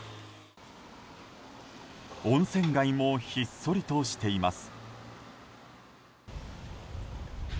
温泉街もひっそりとしています。